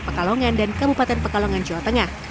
pekalongan dan kabupaten pekalongan jawa tengah